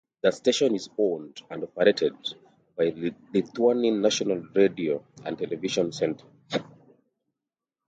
The station is owned and operated by Lithuanian National Radio and Television Centre.